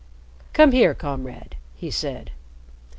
"Come here, Comrade," he said.